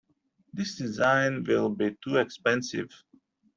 This design will be too expensive.